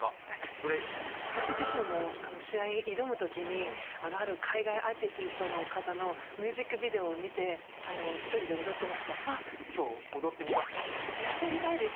ブレイキン私自身も試合挑むときにある海外アーティストの方のミュージックビデオを見て１人で踊ってました今日やってみたいです